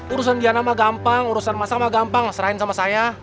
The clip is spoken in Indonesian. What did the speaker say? urusan diana mah gampang urusan masak mah gampang serahin sama saya